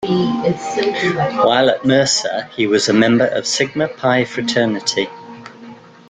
While at Mercer, he was a member of Sigma Pi Fraternity.